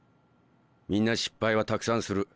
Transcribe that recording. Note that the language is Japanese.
みんな失敗はたくさんする。